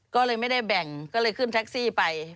ก็เลยไม่ได้แบ่งก็เลยขึ้นแท็กซี่ไป